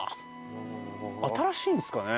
新しいんですかね？